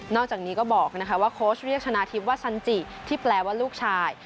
อกจากนี้ก็บอกว่าโค้ชเรียกชนะทิพย์ว่าสันจิที่แปลว่าลูกชาย